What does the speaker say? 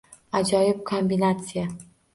Ajoyib kombinatsiya